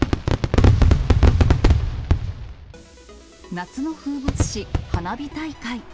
夏の風物詩、花火大会。